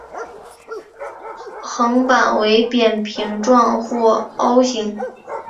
横板为扁平状或凹形。